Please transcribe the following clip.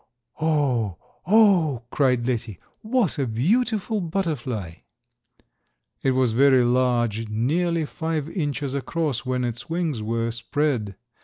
"Oh, oh!" cried Letty, "what a beautiful butterfly!" It was very large, nearly five inches across when its wings were spread.